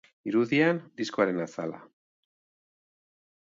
Irudian, diskoaren azala.